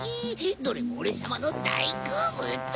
どれもオレさまのだいこうぶつ！